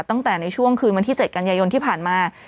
ตั้งแต่ในช่วงคืนวันที่๗กันยายนที่ผ่านมา